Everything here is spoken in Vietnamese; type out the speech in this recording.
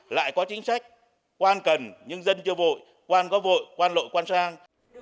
lại có chính sách quan cần nhưng dân chưa vội quan có vội quan lội quan sang